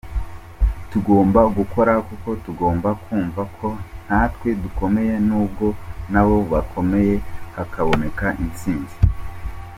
Tugomba gukora kuko tugomba kumva ko natwe dukomeye nubwo nabo bakomeye hakaboneka intsinzi.